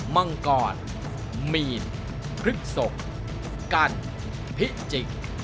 มังกรเมีนครึกศพกัฉพิจิก